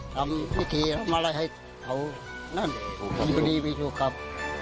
ทำวิธีทำอะไรให้เขานั่นอยู่ดีไปถูกครับ